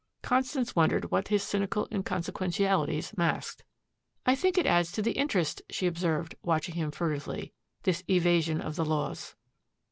Constance wondered what his cynical inconsequentialities masked. "I think it adds to the interest," she observed, watching him furtively, "this evasion of the laws."